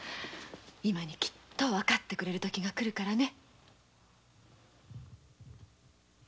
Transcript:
今にきっと分かってくれる時が来るからね。